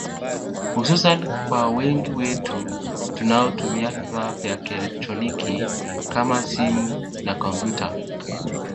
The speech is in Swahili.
hususan kwa wengi wetu tunaotumia vifaa vya kielectroniki kama simu na kompyuta